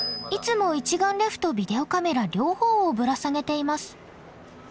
いつも一眼レフとビデオカメラ両方をぶら下げています。